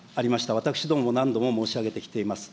私どもも何度も申し上げてきております。